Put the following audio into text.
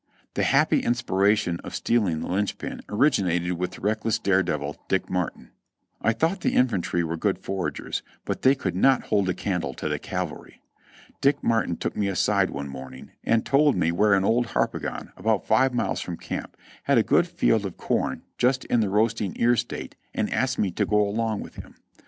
Tlie happy inspiration of stealing the linchpin originated with the reckless dare devil Dick Martin. I thought the infantry were good foragers, but they could not hold a candle to the cavalry. Dick Martin took me aside one morning and told me where an old Harpagon, about five miles from camp, had a good field of corn just in the roasting ear state and asked me to go along with him.